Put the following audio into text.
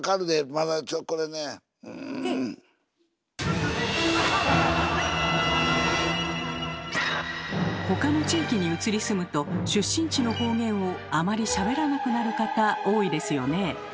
まだちょっとこれねん⁉ほかの地域に移り住むと出身地の方言をあまりしゃべらなくなる方多いですよね。